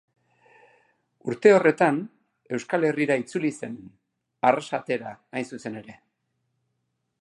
Urte horretan, Euskal Herrira itzuli zen, Arrasatera hain zuzen ere.